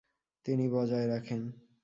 তিনি বজায় রাখেন।